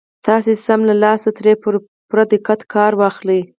تاسې سم له لاسه ترې په پوره دقت کار واخلئ.